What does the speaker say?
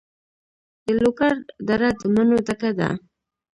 د لوګر دره د مڼو ډکه ده.